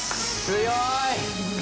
強い！